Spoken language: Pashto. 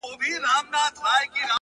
• موږ به کله برابر سو له سیالانو,